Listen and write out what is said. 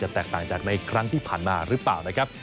แตกต่างจากในครั้งที่ผ่านมาหรือเปล่านะครับ